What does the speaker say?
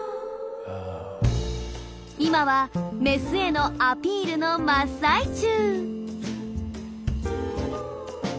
今はメスへのアピールの真っ最中。